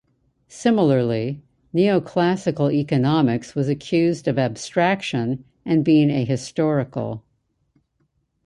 Similarly, neoclassical economics was accused of abstraction and being ahistorical.